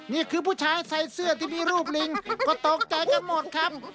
ผู้ชายใส่เสื้อที่มีรูปลิงก็ตกใจกันหมดครับ